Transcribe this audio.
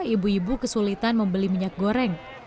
ibu ibu kesulitan membeli minyak goreng